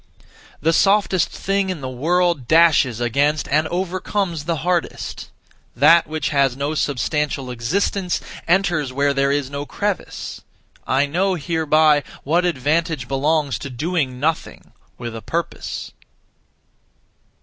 The softest thing in the world dashes against and overcomes the hardest; that which has no (substantial) existence enters where there is no crevice. I know hereby what advantage belongs to doing nothing (with a purpose).